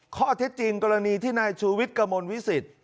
ข้อเท็จจริงกรณีที่นายชูวิทย์กระมวลวิสิต